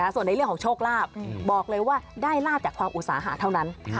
ส่วนในเรื่องของโชคลาภบอกเลยว่าได้ลาบจากความอุตสาหะเท่านั้น